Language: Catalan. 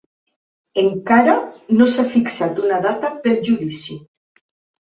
Encara no s'ha fixat una data pel judici.